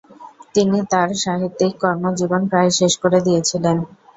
তিনি তার সাহিত্যিক কর্মজীবন প্রায় শেষ করে দিয়েছিলেন।